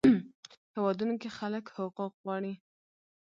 هیوادونو کې خلک حقوق غواړي.